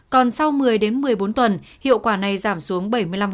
còn sau một mươi đến một mươi bốn tuần hiệu quả này giảm xuống bảy mươi năm